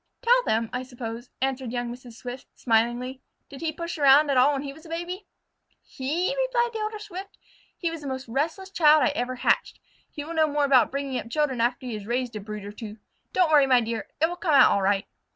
"Tell them, I suppose," answered young Mrs. Swift, smilingly. "Did he push around at all when he was a baby?" "He?" replied the older Swift. "He was the most restless child I ever hatched. He will know more about bringing up children after he has raised a brood or two. Don't worry, my dear. It will come out all right."